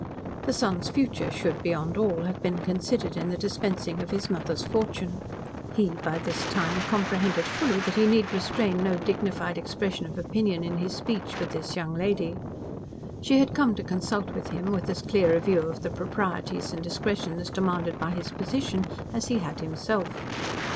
The son's future should beyond all have been considered in the dispensing of his mother's fortune. He, by this time, comprehended fully that he need restrain no dignified expression of opinion in his speech with this young lady. She had come to consult with him with as clear a view of the proprieties and discretions demanded by his position as he had himself.